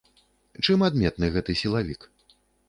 Чым адметны гэты сілавік?